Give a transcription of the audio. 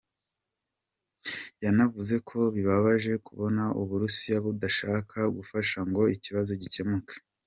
Yanavuze ko bibabaje kubona Uburusiya budashaka gufasha ngo iki kibazo gikemuke.